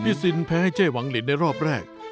สินแพ้ให้เจ๊หวังลินในรอบแรก